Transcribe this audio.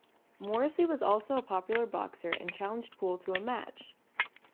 Morrissey was also a popular boxer and challenged Poole to a match.